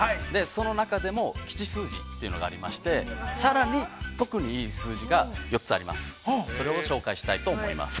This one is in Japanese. その中でも吉数字というのがありましてさらに、特にいい数字が４つあります。